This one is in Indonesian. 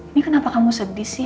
ini kenapa kamu sedih sih